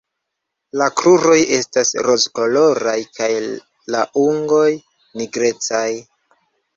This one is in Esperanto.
La kruroj estas rozkoloraj kaj la ungoj nigrecaj.